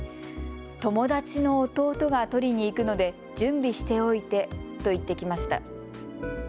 友達の弟が取りに行くので準備しておいてと言ってきました。